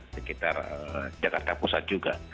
dekitar jakarta pusat juga